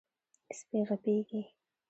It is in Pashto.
سپي غپېږي.